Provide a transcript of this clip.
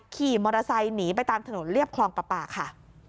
ขี่มอเตอร์ไซค์หนีไปตามถนนเรียบคลองประปาค่ะ